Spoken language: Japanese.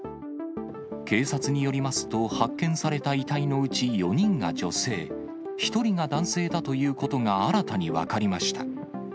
警察によりますと、発見された遺体のうち４人が女性、１人が男性だということが新たに分かりました。